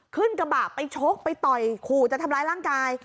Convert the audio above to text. ขึ้นกระบะไปชกไปต่อยขู่จะทำร้ายร่างกาย